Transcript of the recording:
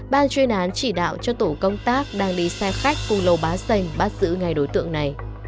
ban chuyên án chỉ đạo cho tổ công tác đang đi xe khách cùng lô bá sành bắt giữ ngay đối tượng này